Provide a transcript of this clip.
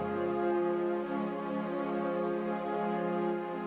adilai tapi itu hati lu bapak